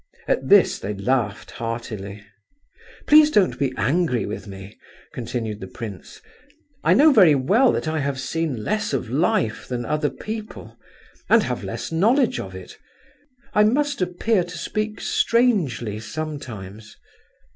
At this they laughed heartily. "Please don't be angry with me," continued the prince. "I know very well that I have seen less of life than other people, and have less knowledge of it. I must appear to speak strangely sometimes..."